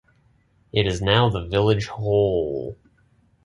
It is now the village hall.